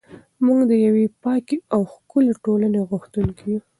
موږ د یوې پاکې او ښکلې ټولنې غوښتونکي یو.